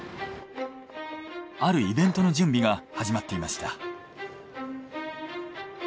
あるイベントの準備が始まっていました。